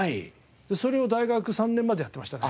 それを大学３年までやってました。